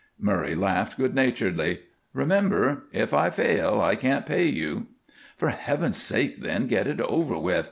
Murray laughed good naturedly. "Remember, if I fail I can't pay you." "For Heaven's sake, then, get it over with!